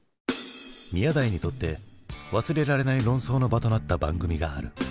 宮台にとって忘れられない論争の場となった番組がある。